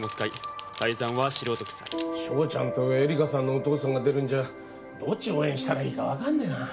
翔ちゃんとエリカさんのお父さんが出るんじゃどっち応援したらいいかわかんねえなあ。